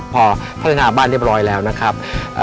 พอพัฒนาบ้านเรียบร้อยแล้วนะครับ